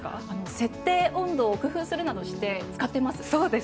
設定温度を工夫するなどして使っています。